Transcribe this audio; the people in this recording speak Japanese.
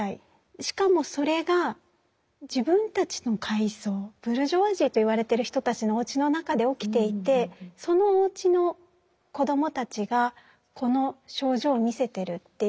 しかもそれが自分たちの階層ブルジョワジーと言われてる人たちのおうちの中で起きていてそのおうちの子どもたちがこの症状を見せてるっていうふうになったわけです。